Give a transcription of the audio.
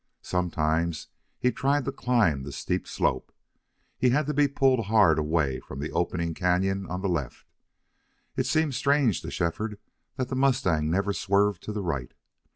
Sometimes he tried to climb the steep slope. He had to be pulled hard away from the opening cañon on the left. It seemed strange to Shefford that the mustang never swerved to the right.